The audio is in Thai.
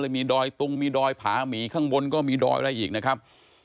มีดอยตุงมีดอยผาหมีข้างบนก็มีดอยอะไรอีกนะครับ